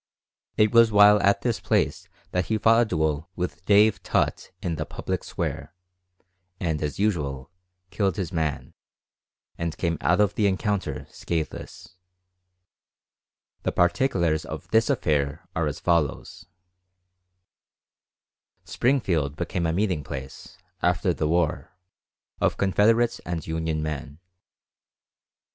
It was while at this place that he fought a duel with Dave Tutt in the public square, and, as usual, killed his man, and came out of the encounter scathless The particulars of this affair are as follows: Springfield became a meeting place, after the war, of Confederates and Union men.